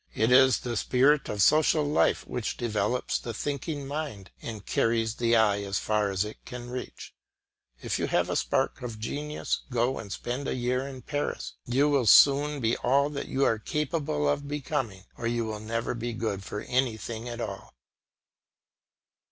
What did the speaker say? It is the spirit of social life which develops a thinking mind, and carries the eye as far as it can reach. If you have a spark of genius, go and spend a year in Paris; you will soon be all that you are capable of becoming, or you will never be good for anything at all.